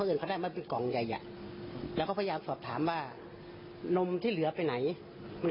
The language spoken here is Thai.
อ้าวอยู่ด้วยคุณได้ไงไม่มึงเขาให้มาคนกล่องแล้วใช่ไหม